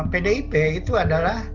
pdip itu adalah